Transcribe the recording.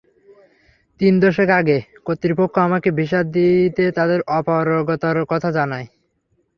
দিন দশেক আগে কর্তৃপক্ষ আমাকে ভিসা দিতে তাদের অপারগতার কথা জানায়।